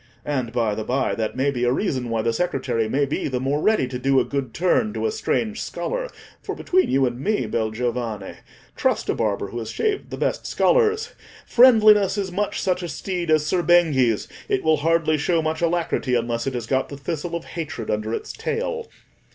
And, by the by, that may be a reason why the secretary may be the more ready to do a good turn to a strange scholar. For, between you and me, bel giovane—trust a barber who has shaved the best scholars—friendliness is much such a steed as Ser Benghi's: it will hardly show much alacrity unless it has got the thistle of hatred under its tail.